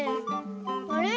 あれ？